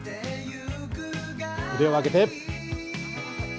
腕を挙げて。